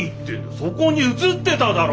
そこに映ってただろ！